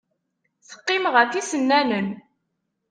Teqqimeḍ ɣef yisennanen.